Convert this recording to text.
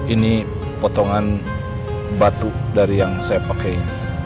ini potongan batu dari yang saya pakai